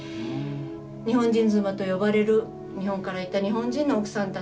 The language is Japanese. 日本人妻と呼ばれる日本から行った日本人の奥さんたち。